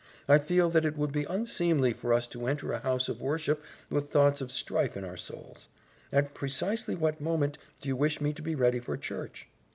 I feel that it would be unseemly for us to enter a house of worship with thoughts of strife in our souls. At precisely what moment do you wish me to be ready for church?"